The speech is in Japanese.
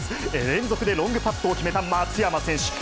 連続でロングパットを決めた松山選手。